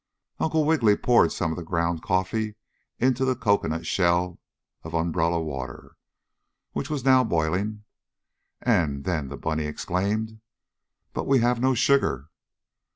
Uncle Wiggily poured some of the ground coffee into the cocoanut shell of umbrella water, which was now boiling, and then the bunny exclaimed: "But we have no sugar!"